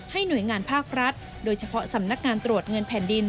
หน่วยงานภาครัฐโดยเฉพาะสำนักงานตรวจเงินแผ่นดิน